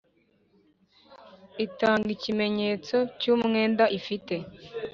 itanga ikimenyetso cy umwenda ifite